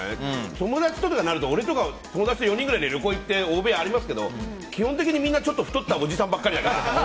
友達ととかなると俺とか友達と４人くらいで旅行行って大部屋ありますけど基本的にみんな太ったおじさんばかりだから。